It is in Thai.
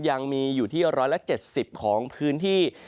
ยังมีอยู่ที่๑๗๐ของพื้นที่